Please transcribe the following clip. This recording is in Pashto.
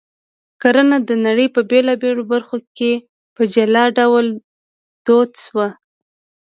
کرنه د نړۍ په بېلابېلو برخو کې په جلا ډول دود شوه